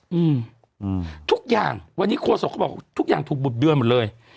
อืมทุกอย่างวันนี้ครัวศพเขาบอกว่าทุกอย่างถูกบุดเบื้อนหมดเลย